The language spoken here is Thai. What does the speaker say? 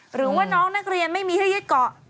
หรือว่าน้องนักเรียนไม่มีให้ยึดเกาะ